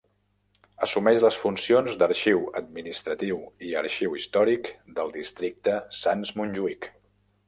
Assumeix les funcions d'Arxiu Administratiu i Arxiu històric del districte Sants-Montjuïc.